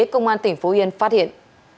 công an tp hcm phát hiện